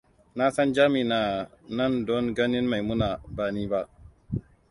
Na san Jami na nan don ganin Maimuna, ba ni ba.